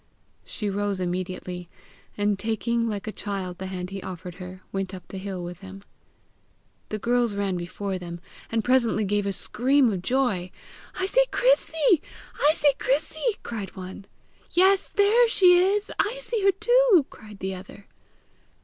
She rose immediately, and taking like a child the hand he offered her, went up the hill with him. The girls ran before them, and presently gave a scream of joy. "I see Chrissy! I see Chrissy!" cried one. "Yes! there she is! I see her too!" cried the other.